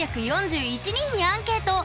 ３４１人にアンケート！